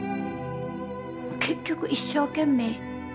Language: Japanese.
結局一生懸命。